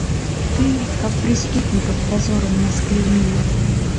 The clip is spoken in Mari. Ты, как преступников, позором нас клеймила